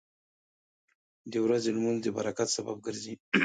• د ورځې لمونځ د برکت سبب ګرځي.